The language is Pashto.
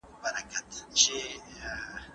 روژه یو ښه میاشت ده.